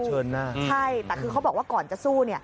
ใช่แต่คือเขาบอกว่าก่อนจะสู้